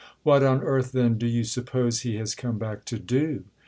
"What on earth then do you suppose he has come back to do—?"